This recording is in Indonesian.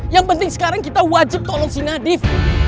yang penting sekarang kita wajib tolong si nadif